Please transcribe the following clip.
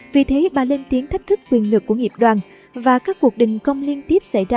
vì thế bà lên tiếng thách thức quyền lực của nghiệp đoàn và các cuộc đình công liên tiếp xảy ra